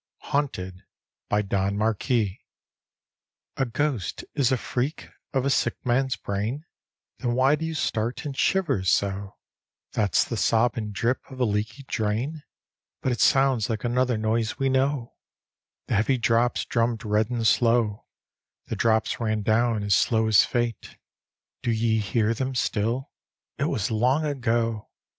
HAUNTED : don marquis A ghost is a freak of a sick man's brain? Then why do you start and shiver so? That's the sob and drip of a leaky drain ? But it sounds like another noise wc knowl The heavy drops drummed red and slow, The drops ran down as slow as fate — Do ye hear them still? — it was long ago!